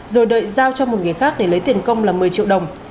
rồi đợi giao cho một người khác để lấy tiền công là một mươi triệu đồng